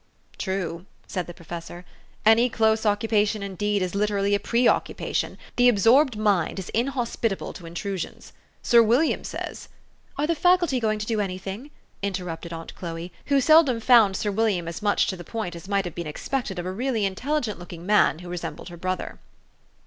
"True," said the professor, "any close occupa tion, indeed, is literally a pre occupation : the ab sorbed mind is inhospitable to intrusions. Sir Wil liam says ''" Are the Faculty going to do any thing? " inter rupted aunt Chloe, who seldom found Sir William as much to the point as might have been expected of a really intelligent looking man who resembled her brother.